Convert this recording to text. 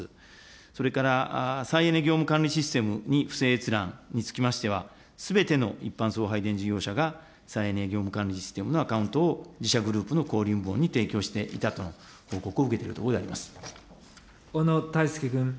それから再エネ業務管理システムに不正閲覧につきましては、すべての一般送配電事業者が再エネ事業者のアカウントを自社グループの小売り部門に提供していたという、こういう報告を受けて小野泰輔君。